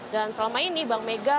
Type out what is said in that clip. dan selama ini bank mega